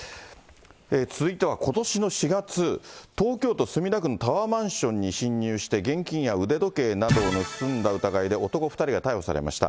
続いてはことしの４月、東京都墨田区のタワーマンションに侵入して現金や腕時計などを盗んだ疑いで、男２人が逮捕されました。